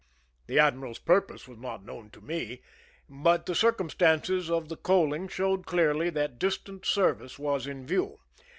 The admiral's purpose was not known to me, but the circumstances of the coaling showed clearly that distant service was in view.